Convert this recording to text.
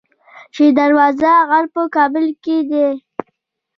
شیر دروازه غر په کابل کې دی